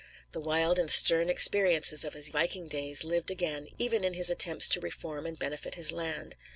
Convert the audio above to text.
The wild and stern experiences of his viking days lived again even in his attempts to reform and benefit his land.